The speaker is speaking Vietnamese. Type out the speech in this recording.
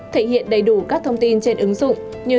thể hiện đầy đủ các thông tin trên ứng dụng như